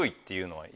はい。